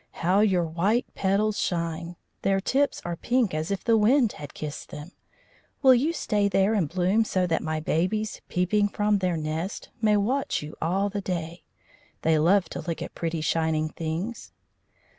"How your white petals shine! Their tips are pink, as if the wind had kissed them. Will you stay there and bloom so that my babies peeping from their nest may watch you all the day? They love to look at pretty, shining things."